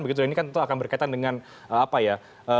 begitu ini kan tentu akan berkaitan dengan apa ya